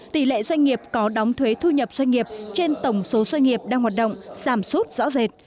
tỷ lệ doanh nghiệp có đóng thuế thu nhập doanh nghiệp trên tổng số doanh nghiệp đang hoạt động giảm sút rõ rệt